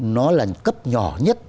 nó là cấp nhỏ nhất